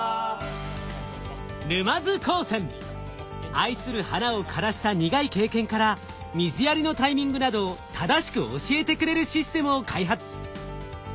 愛する花を枯らした苦い経験から水やりのタイミングなどを正しく教えてくれるシステムを開発。